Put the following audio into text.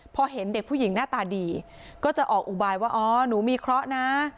พอเห็นเด็กผู้หญิงหน้าตาดีก็จะออกอุบายว่าอ๋อหนูมีเคราะห์นะ